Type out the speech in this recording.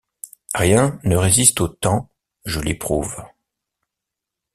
Rien ne résiste au temps, je l’éprouve.